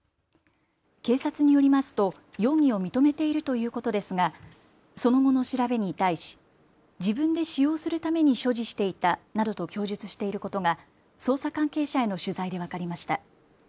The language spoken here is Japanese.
警察によりますと容疑を認めているということですがその後の調べに対し自分で使用するために所持していたなどと供述していることが捜査関係者への取材で分かりました。